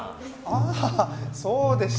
ああそうでした。